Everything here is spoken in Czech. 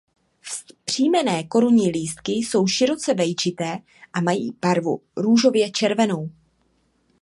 Vzpřímené korunní lístky jsou široce vejčité a mají barvu růžově červenou.